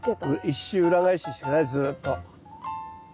一周裏返しして下さいずっと。